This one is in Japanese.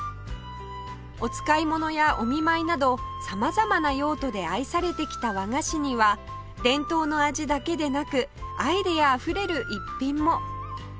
お使い物やお見舞いなど様々な用途で愛されてきた和菓子には伝統の味だけでなくアイデアあふれる逸品も